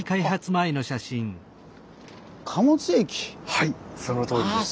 はいそのとおりです。